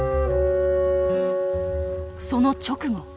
その直後。